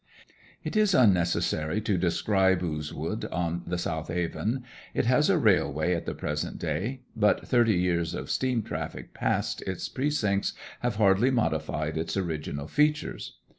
It is unnecessary to describe Oozewood on the South Avon. It has a railway at the present day; but thirty years of steam traffic past its precincts have hardly modified its original features.